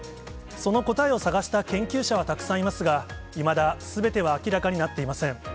その答えを探した研究者はたくさんいますが、いまだすべては明らかになっていません。